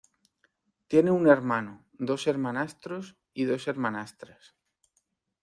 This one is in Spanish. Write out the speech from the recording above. Tiene un hermano, dos hermanastros y dos hermanastras.